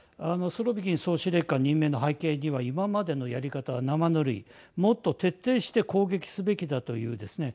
スロビキン総司令官任命の背景には今までのやり方はなまぬるいもっと徹底して攻撃すべきだというですね